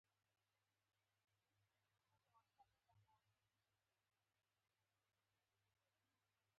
منګلی پناه شو.